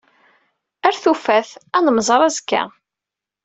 Ar tufat. Ad nemmẓer azekka.